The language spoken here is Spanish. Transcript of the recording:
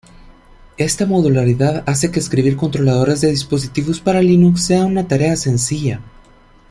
Esta modularidad hace que escribir controladores de dispositivos para Linux sea una tarea sencilla.